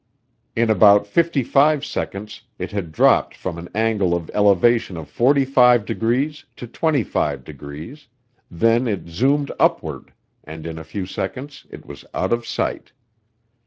In about fifty five seconds it had dropped from an angle of elevation of 45 degrees to 25 degrees, then it zoomed upward and in a few seconds it was out of sight.